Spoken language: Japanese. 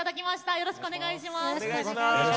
よろしくお願いします。